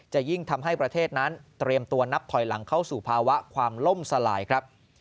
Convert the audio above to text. จะยิ่งทำให้ประเทศนั้นเตรียมตัวนับถอยหลังเข้าสู่ภาวะความล่มสลายครับ